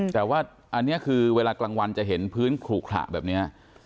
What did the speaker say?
แต่ว่าอันนี้คือเวลากลางวันจะเห็นพื้นขลุขระแบบนี้